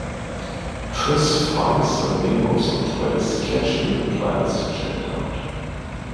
Triss finds the name of the place catchy and plans to check it out.